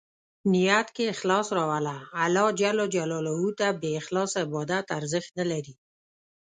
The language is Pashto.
نیت کې اخلاص راوله ، الله ج ته بې اخلاصه عبادت ارزښت نه لري.